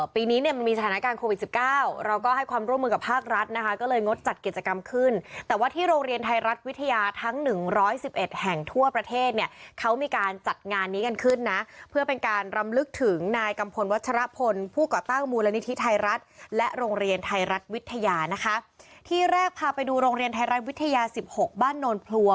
ปีนี้มันมีสถานการณ์โควิด๑๙เราก็ให้ความร่วมมือกับภาครัฐนะคะก็เลยงดจัดกิจกรรมขึ้นแต่ว่าที่โรงเรียนไทยรัฐวิทยาทั้ง๑๑๑แห่งทั่วประเทศเนี่ยเขามีการจัดงานนี้กันขึ้นนะเพื่อเป็นการรำลึกถึงนายกัมพลวัชฌาพลผู้ก่อต้างมูลนิธิไทยรัฐและโรงเรียนไทยรัฐวิทยานะคะที่แรกพาไปดูโ